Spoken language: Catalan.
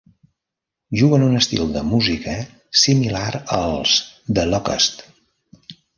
Juguen un estil de música similar als The Locust.